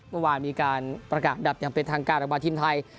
เมื่อวานมีการประกาศดับอย่างเป็นทางการออกมาทีมไทย